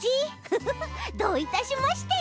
フフフどういたしまして。